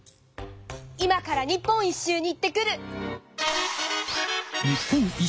今から日本一周に行ってくる。